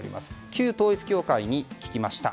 旧統一教会に聞きました。